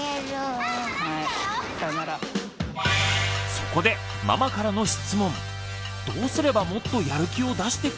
そこでママからの質問。